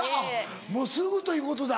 もうすぐということだ。